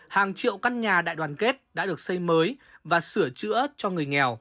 hàng triệu căn nhà đại đoàn kết đã được xây mới và sửa chữa cho người nghèo